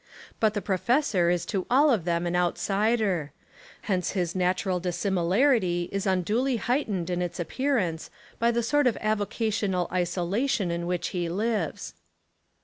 But the professor is to all of them an outsider. Hence his natural dissimilarity is unduly heightened in its appearance by the sort of avocational iso lation in which he lives.